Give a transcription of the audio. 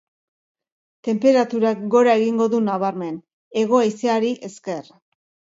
Tenperaturak gora egingo du nabarmen, hego haizeari esker.